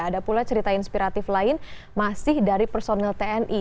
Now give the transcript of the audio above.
ada pula cerita inspiratif lain masih dari personil tni